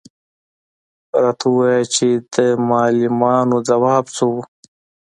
_راته ووايه چې د معلمانو ځواب څه و؟